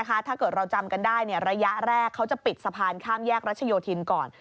ถ้าเกิดเราจำกันได้ระยะแรกเขาจะปิดสะพานข้ามแยกรัชโยธินก่อน